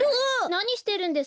なにしてるんですか？